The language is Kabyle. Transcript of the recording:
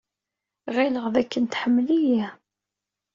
Ɣileɣ dakken tḥemmel-iyi.